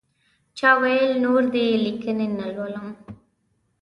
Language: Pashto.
چا ویل نور دې لیکنې نه لولم.